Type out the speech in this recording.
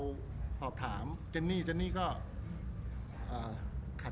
รูปนั้นผมก็เป็นคนถ่ายเองเคลียร์กับเรา